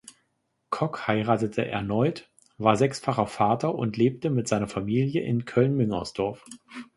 Kock heiratete erneut, war sechsfacher Vater und lebte mit seiner Familie in Köln-Müngersdorf.